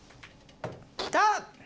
きた！